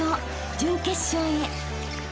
［準決勝へ］